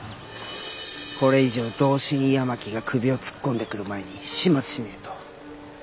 これ以上同心八巻が首を突っ込んでくる前に始末しねえと。